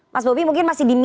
mas bobi mungkin masih di